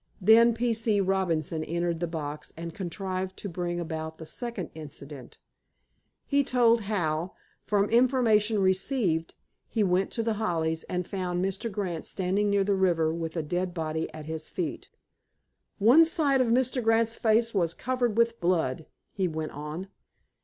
Then P. C. Robinson entered the box, and contrived to bring about the second "incident." He told how, "from information received," he went to The Hollies, and found Mr. Grant standing near the river with a dead body at his feet. "One side of Mr. Grant's face was covered with blood," he went on.